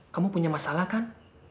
kamu punya masalah kan